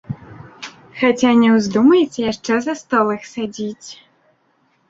Хаця не ўздумайце яшчэ за стол іх садзіць.